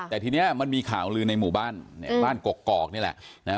แต่ทีนี้มันมีข่าวลือในหมู่บ้านบ้านกกอกนี่แหละ